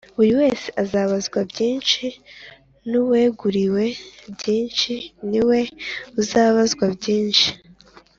Buri wese azabazwa byinshi n’uweguriwe byinshi ni we uzabazwa byinshi